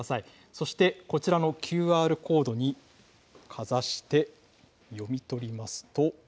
そして、こちらのＱＲコードにかざして、読み取りますと。